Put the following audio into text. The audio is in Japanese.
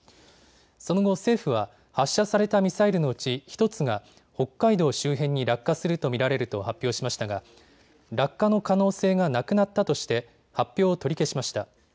その後、政府は発射されたミサイルのうち１つが北海道周辺に落下すると見られると発表しましたが落下の可能性がなくなったとして発表を取り消しました。